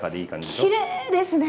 きれいですね。